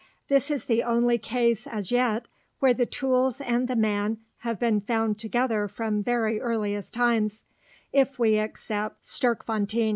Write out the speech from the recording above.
This is the only case as yet where the tools and the man have been found together from very earliest times if we except Sterkfontein.